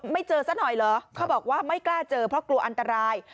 เจอซะหน่อยเหรอเขาบอกว่าไม่กล้าเจอเพราะกลัวอันตราย